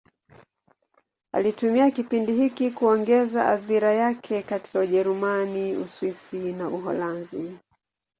Alitumia kipindi hiki kuongeza athira yake katika Ujerumani, Uswisi na Uholanzi.